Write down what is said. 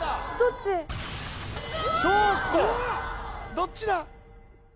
どっちだ